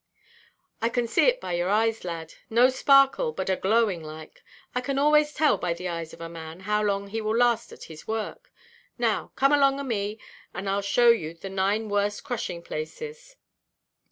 "I can see it by your eyes, lad. No sparkle, but a glowing like. I can always tell by the eyes of a man how long he will last at this work. Now come along o' me, and Iʼll show you the nine worst crushing places."